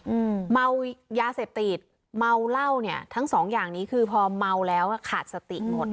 อืมเมายาเสพติดเมาเหล้าเนี้ยทั้งสองอย่างนี้คือพอเมาแล้วอ่ะขาดสติหมด